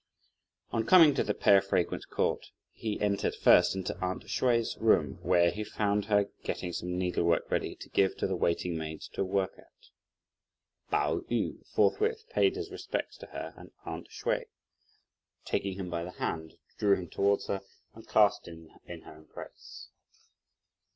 On coming to the Pear Fragrance Court, he entered, first, into "aunt" Hsüeh's room, where he found her getting some needlework ready to give to the waiting maids to work at. Pao yü forthwith paid his respects to her, and "aunt" Hsüeh, taking him by the hand, drew him towards her and clasped him in her embrace.